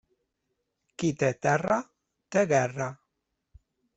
Qui té terra, té guerra.